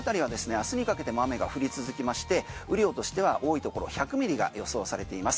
明日にかけても雨が降り続きまして雨量としては多いところ１００ミリが予想されています。